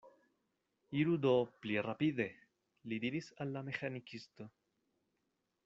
Iru do pli rapide, li diris al la meĥanikisto.